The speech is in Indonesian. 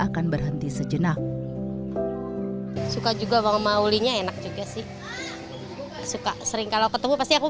akan berhenti sejenak suka juga maulinya enak juga sih suka sering kalau ketemu pasti aku